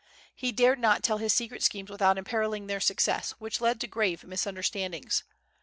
He dared not tell his secret schemes without imperilling their success, which led to grave misunderstandings.